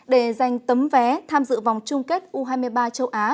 để giành tấm vé tham dự vòng chung kết u hai mươi ba châu á